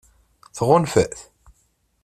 Tɣunfa-t?